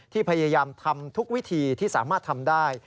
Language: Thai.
พยายามทำทุกวิธีที่สามารถทำได้